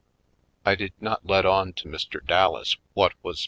I did not let on to Mr. Dallas what was 194